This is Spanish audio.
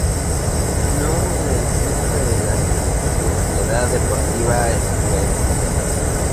Club del que fichó para la Sociedad Deportiva Huesca.